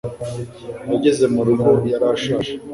Yageze mu rugo, yari ashaje